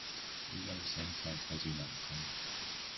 一二三跳！跳进染缸！